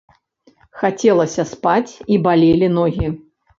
Хацелася спаць і балелі ногі.